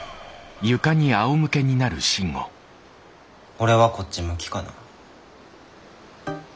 俺はこっち向きかな。